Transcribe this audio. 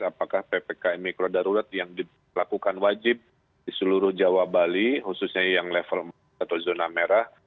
apakah ppkm mikro darurat yang dilakukan wajib di seluruh jawa bali khususnya yang level empat atau zona merah